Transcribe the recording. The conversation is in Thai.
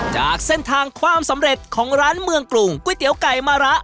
จากเส้นทางความสำเร็จของร้านเมืองกรุงก๋วยเตี๋ยวไก่มะระ